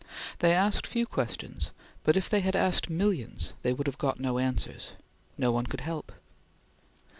They asked few questions, but if they had asked millions they would have got no answers. No one could help.